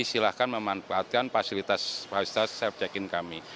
silahkan memanfaatkan fasilitas self check in kami